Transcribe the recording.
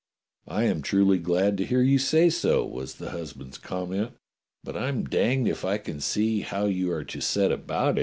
"I am truly glad to hear you say so," was the hus band's comment. "But I'm danged if I can see how you are to set about it."